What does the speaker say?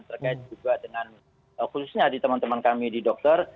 terkait juga dengan khususnya di teman teman kami di dokter